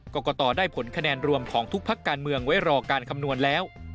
กรกตได้ผลคะแนนรวมของทุกพักการเมืองไว้รอการคำนวณแล้ว